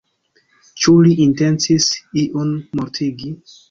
Ĉu li intencis iun mortigi?